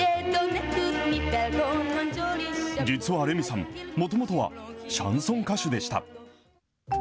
実はレミさん、もともとはシャンソン歌手でした。